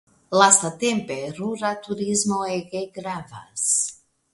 Lastatempe rura turismo ege gravas.